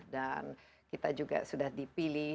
dan kita juga sudah dipilih